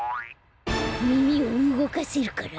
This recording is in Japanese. みみをうごかせるから？